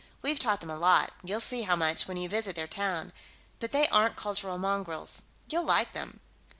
We've taught them a lot you'll see how much when you visit their town but they aren't cultural mongrels. You'll like them."